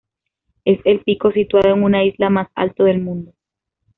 Es el pico situado en una isla más alto del mundo.